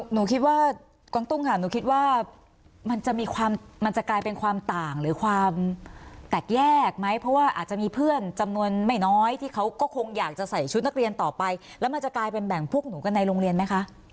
หนูคิดว่ากองตุ้งค่ะหนูคิดว่ามันจะมีความมันจะกลายเป็นความต่างหรือความแตกแยกไหมเพราะว่าอาจจะมีเพื่อนจำนวนไม่น้อยที่เขาก็คงอยากจะใส่ชุดนักเรียนต่อไปแล้วมันจะกลายเป็นแบ่งพวกหนูกันในโรงเรียนไหมคะ